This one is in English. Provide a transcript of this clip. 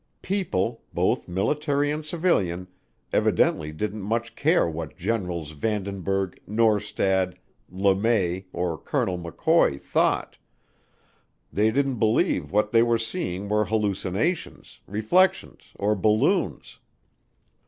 People, both military and civilian, evidently didn't much care what Generals Vandenberg, Norstad, Le May, or Colonel McCoy thought; they didn't believe what they were seeing were hallucinations, reflections, or balloons.